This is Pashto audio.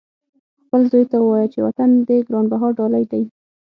خپل زوی ته ووایه چې وطن دې ګران بها ډالۍ دی.